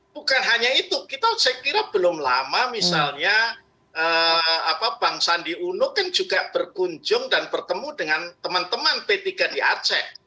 bukan hanya itu kita saya kira belum lama misalnya bang sandi uno kan juga berkunjung dan bertemu dengan teman teman p tiga di aceh